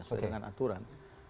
sesuai dengan aturan